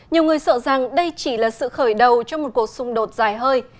nhiều người sợ rằng đây chỉ là sự khởi đầu cho một cuộc xung đột dài hơi